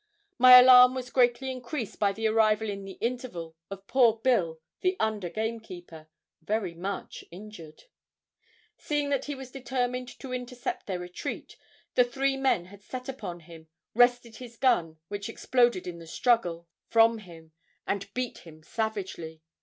My alarm was greatly increased by the arrival in the interval of poor Bill, the under gamekeeper, very much injured. Seeing that he was determined to intercept their retreat, the three men had set upon him, wrested his gun, which exploded in the struggle, from him, and beat him savagely.